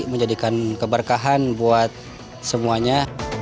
menjadikan keberkahan buat semuanya